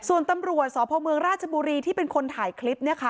ส่วนตำรวจสพเมืองราชบุรีที่เป็นคนถ่ายคลิปเนี่ยค่ะ